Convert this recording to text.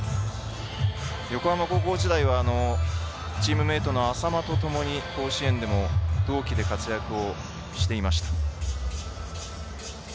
横浜高校時代はチームメートの淺間とともに甲子園でも同期で活躍をしていました。